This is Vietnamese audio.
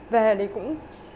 về thì cũng